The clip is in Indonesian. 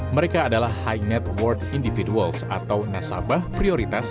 mereka adalah high net worth individuals atau nasabah prioritas